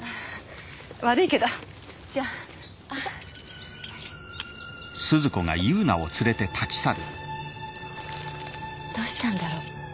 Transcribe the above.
悪いけどじゃあ行こうどうしたんだろ？